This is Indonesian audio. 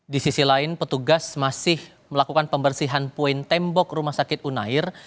di sisi lain petugas masih melakukan pembersihan poin tembok rumah sakit unair